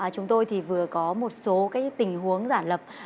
chúng tôi thì vừa có một số tình huống giả lập